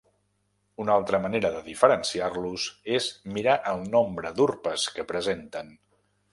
Una altra manera de diferenciar-los és mirar el nombre d'urpes que presenten.